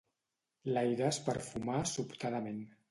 L'aire es perfumà sobtadament